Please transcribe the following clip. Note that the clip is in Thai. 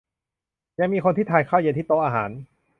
ยังมีคนที่ทานข้าวเย็นที่โต๊ะอาหาร